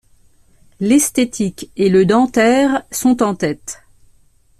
L'esthétique et le dentaire sont en tête.